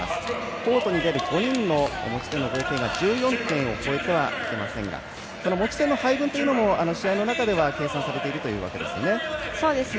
コートに出る５人の持ち点の合計が１４点を超えてはいけませんがこの持ち点の配分というのも試合の中では計算されているというわけですね。